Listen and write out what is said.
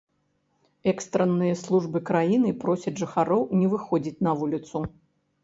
Экстранныя службы краіны просяць жыхароў не выходзіць на вуліцу.